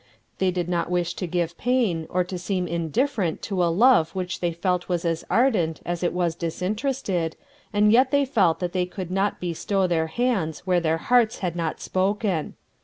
They did not wish to give pain or to seem indifferent to a love which they felt was as ardent as it was disinterested, and yet they felt that they could not bestow their hands where their hearts had not spoken.